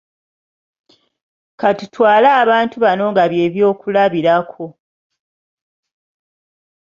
Katutwale abantu bano nga bye byokulabirako.